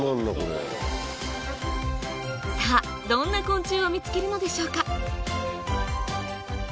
さぁどんな昆虫を見つけるのでしょうか？